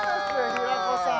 平子さん